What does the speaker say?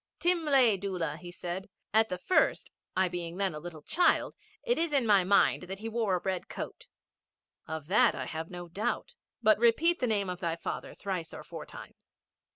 'Timlay Doola,' said he. 'At the first, I being then a little child, it is in my mind that he wore a red coat.' 'Of that I have no doubt. But repeat the name of thy father thrice or four times.'